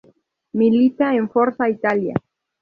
Milita en Forza Italia.